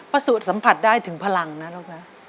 ประสุทธิ์สัมผัสได้ถึงพลังนะลูกนะ